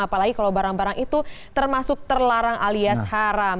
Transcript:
apalagi kalau barang barang itu termasuk terlarang alias haram